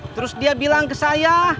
terus dia bilang ke saya